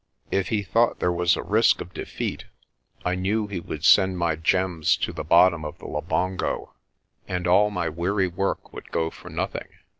If he thought there was a risk of defeat I knew 230 PRESTER JOHN he would send my gems to the bottom of the Labongo, and all my weary work would go for nothing.